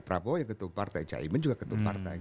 prabowo yang ketumpar jai iman juga ketumpar